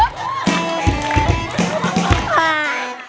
เอาอีก